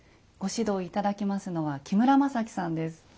ご指導頂きますのは木村雅基さんです。